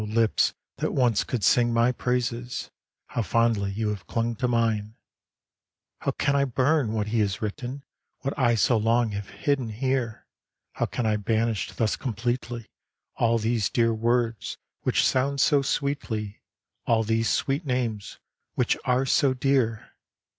lips, that once could sing my praises, How fondly you have clung to mine ! How can I bum what He has written, What I so long have hidden her el How can I banish thus completely All these dear words, which sound so sweetly, All these sweet names, which are so dear